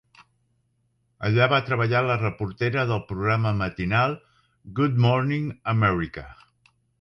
Allà va treballar de reportera al programa matinal "Good Morning America".